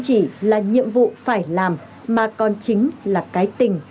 chỉ là nhiệm vụ phải làm mà còn chính là cái tình